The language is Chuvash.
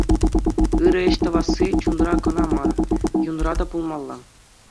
Ырӑ ӗҫ тӑвасси чунра кӑна мар, юнра та пулмалла.